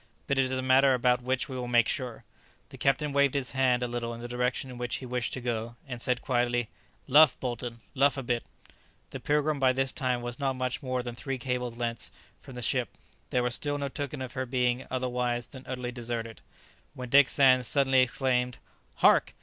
But it is a matter about which we will make sure." The captain waved his hand a little in the direction in which he wished to go, and said quietly, "Luff, Bolton, luff a bit!" The "Pilgrim" by this time was not much more than three cables' lengths from the ship, there was still no token of her being otherwise than utterly deserted, when Dick Sands suddenly exclaimed, "Hark!